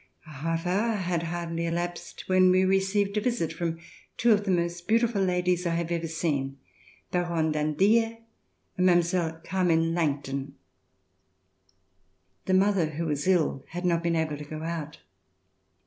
A half hour had hardly elapsed when we received a visit from two of the most beautiful ladies I have ever seen, Baronne d'Andilla and Mile. Carmen Langton. The mother who was ill had not been able to go out.